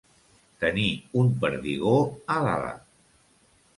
Tenir un perdigó a l'ala.